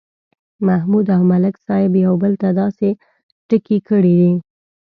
محمود او ملک صاحب یو بل ته داسې ټکي کړي دي